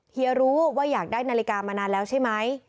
เฮียรู้ว่าอยากได้นาฬิกามานานแล้วใช่ไหม